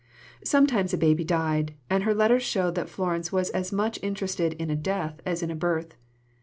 _ Sometimes a baby died, and her letters show that Florence was as much interested in a death as in a birth.